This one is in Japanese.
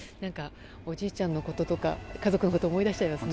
おじいちゃんのこととか家族のことを思い出しちゃいますね。